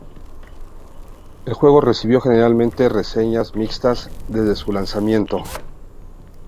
El juego recibió generalmente reseñas mixtas desde su lanzamiento.